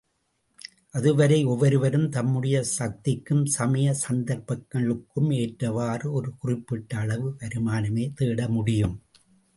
அதுவரை ஒவ்வொருவரும் தம்முடைய சக்திக்கும் சமய சந்தர்ப்பங்களுக்கும் ஏற்றவாறு ஒரு குறிப்பிட்ட அளவு வருமானமே தேட முடியும்.